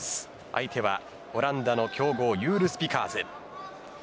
相手はオランダの強豪ユール・スピカーズ。